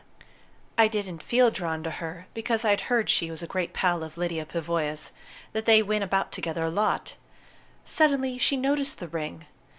I didn't feel drawn to her, because I'd heard she was a great pal of Lyda Pavoya's: that they went about together a lot. Suddenly she noticed the ring.